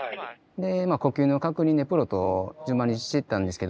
でまあ呼吸の確認でプロト順番にしていったんですけど